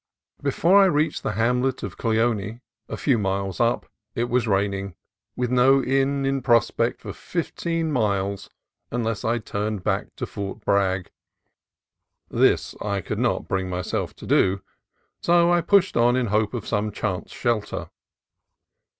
Before I reached the hamlet of Cleone, a few miles up, it was raining, with no inn in prospect for fifteen miles unless I turned back to Fort Bragg. This I could not bring myself to do, so pushed on in hope of some chance shelter.